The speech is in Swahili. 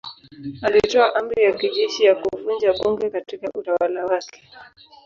Alitoa amri ya kijeshi ya kuvunja bunge katika utawala wake.